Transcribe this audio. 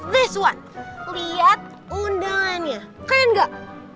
this one lihat undangannya keren gak